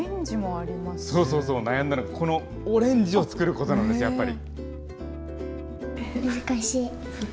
そうそうそう、悩んだのはこのオレンジを作ることなんです、やっぱり。